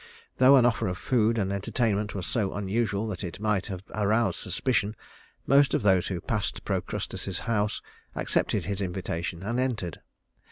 Though an offer of food and entertainment was so unusual that it might have aroused suspicion, most of those who passed Procrustes's house accepted his invitation and entered.